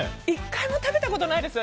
１回も食べたことないです